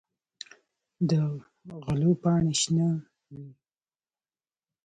د غلو پاڼې شنه وي.